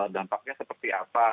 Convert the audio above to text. dampaknya seperti apa